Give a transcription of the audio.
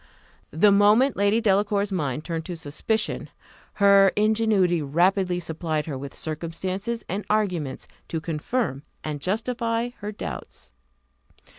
The moment Lady Delacour's mind turned to suspicion, her ingenuity rapidly supplied her with circumstances and arguments to confirm and justify her doubts.